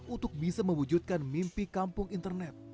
untuk bisa mewujudkan mimpi kampung internet